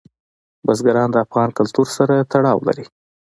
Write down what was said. بزګان د افغان کلتور سره تړاو لري.